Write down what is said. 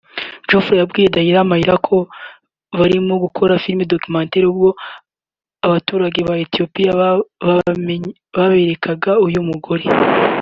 Joffe yabwiye Dail Mail ko barimo bakora filime documentaire ubwo abaturage ba Etiyopiya baberekaga uyu mugore